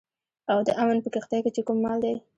او د امن په کښتئ کې چې کوم مال دی